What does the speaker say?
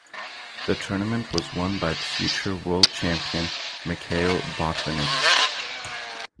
The tournament was won by the future world champion Mikhail Botvinnik.